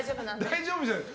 大丈夫じゃない。